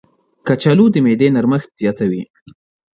کچالو د معدې نرمښت زیاتوي.